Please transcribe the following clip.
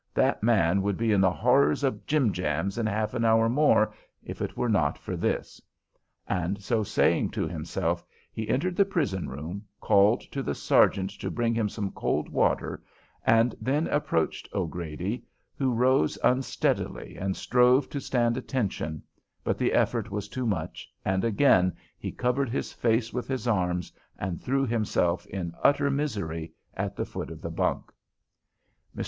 That man would be in the horrors of jim jams in half an hour more if it were not for this." And so saying to himself, he entered the prison room, called to the sergeant to bring him some cold water, and then approached O'Grady, who rose unsteadily and strove to stand attention, but the effort was too much, and again he covered his face with his arms, and threw himself in utter misery at the foot of the bunk. Mr.